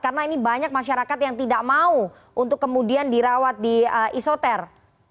karena ini banyak masyarakat yang tidak mau untuk kemudian dirawat di isoter